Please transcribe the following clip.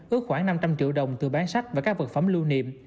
ước khoảng năm trăm linh triệu đồng từ bán sách và các vật phẩm lưu niệm